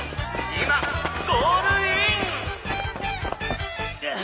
「今ゴールイン！」